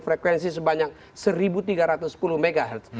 frekuensi sebanyak seribu tiga ratus sepuluh mhz